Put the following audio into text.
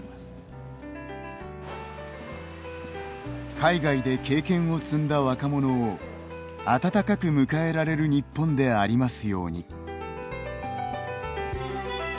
海外で経験を積んだ若者を温かく迎えられる日本でありますように。